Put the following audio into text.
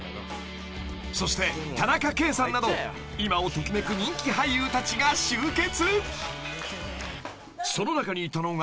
そして田中圭さんなど今を時めく人気俳優たちが集結］